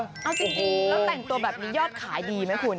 เอาจริงแล้วแต่งตัวแบบนี้ยอดขายดีไหมคุณ